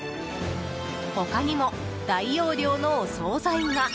他にも大容量のお総菜が。